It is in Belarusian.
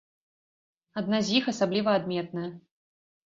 Адна з іх асабліва адметная.